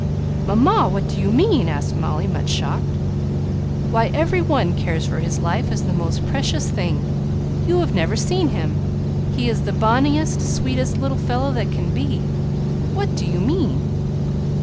"Mamma! what do you mean?" asked Molly, much shocked. "Why, every one cares for his life as the most precious thing! You have never seen him! He is the bonniest, sweetest little fellow that can be! What do you mean?"